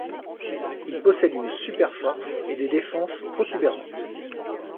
Il possède une super-force et des défenses protubérantes.